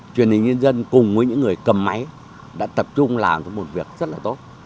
truyền hình nhân dân cùng với những người cầm máy đã tập trung làm với một việc rất là tốt